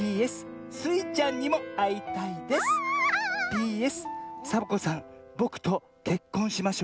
「ＰＳサボ子さんぼくとけっこんしましょう」。